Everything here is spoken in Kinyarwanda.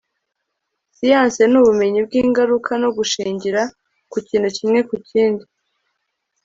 siyanse ni ubumenyi bw'ingaruka, no gushingira ku kintu kimwe ku kindi